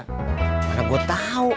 gimana gua tahu